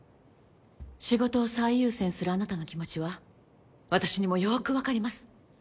仕事を最優先するあなたの気持ちは私にもよく分かります。